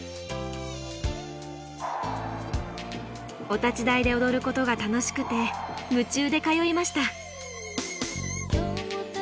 お立ち台で踊ることが楽しくて夢中で通いました。